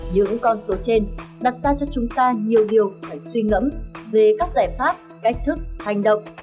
những con số trên đặt ra cho chúng ta nhiều điều phải suy ngẫm về các giải pháp cách thức hành động